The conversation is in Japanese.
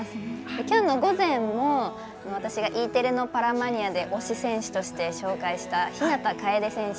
きょうの午前も私がＥテレの「パラマニア」で推し選手として紹介した日向楓選手。